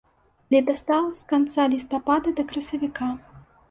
Ледастаў з канца лістапада да красавіка.